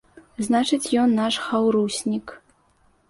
Значыць, ён наш хаўруснік.